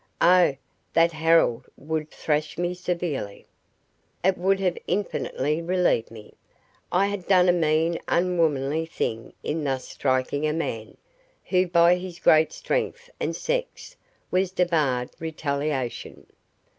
Oh, that Harold would thrash me severely! It would have infinitely relieved me. I had done a mean unwomanly thing in thus striking a man, who by his great strength and sex was debarred retaliation.